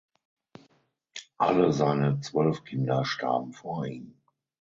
Alle seine zwölf Kinder starben vor ihm.